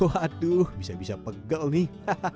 waduh bisa bisa pegel nih